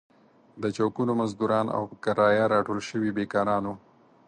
د چوکونو مزدوران او په کرايه راټول شوي بېکاران وو.